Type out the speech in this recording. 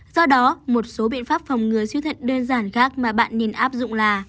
do đó một số biện pháp phòng ngừa suy thận đơn giản khác mà bạn nên áp dụng là